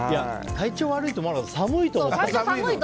体調悪いと思わなかった寒いと思った。